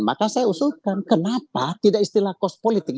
maka saya usulkan kenapa tidak istilah kos politik